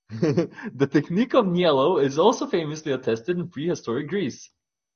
The technique of niello is also famously attested in prehistoric Greece.